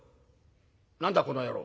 「何だこの野郎。